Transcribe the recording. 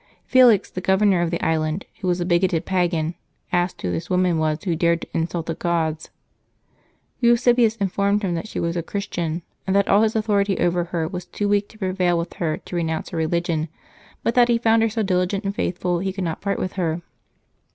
Felix, the governor of the island, who was a bigoted pagan, asked who this woman was who dared to insult the gods. Eusebius in formed him that she was a Christian, and that all his authority over her was too weak to prevail with her to re nounce her religion, but that he found her so diligent and faithful he could not part with her.